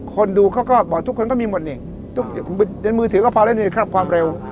คนดูเขาก็บอกทุกคนก็มีหมดนี่ในมือถือก็พอแล้วนี่ครับความเร็ว